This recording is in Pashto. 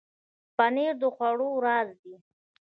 پنېر د خوړو راز دی.